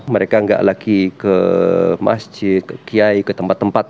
mereka nggak lagi ke masjid kiai ke tempat tempat